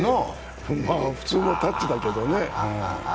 普通のタッチだけどね。